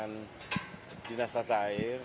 dengan dinas tata air